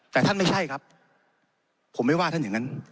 แต่ท่านไม่ใช่ครับผมไม่ว่าท่านอย่างนั้น